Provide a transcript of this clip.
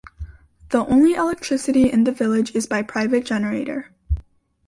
The only electricity in the village is by private generator.